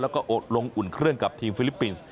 แล้วก็อดลงอุ่นเครื่องกับทีมฟิลิปปินส์